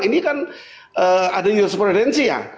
ini kan ada jurisprudensi ya